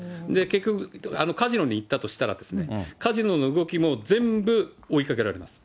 結局、カジノにいったとしたら、カジノの動きも全部追いかけられます。